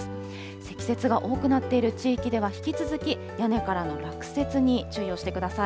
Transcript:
積雪が多くなっている地域では、引き続き屋根からの落雪に注意をしてください。